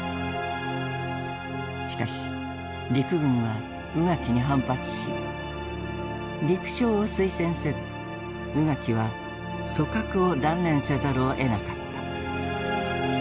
しかし陸軍は宇垣に反発し陸相を推薦せず宇垣は組閣を断念せざるをえなかった。